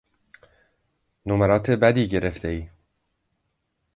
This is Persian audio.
نمرات بدی گرفتهای.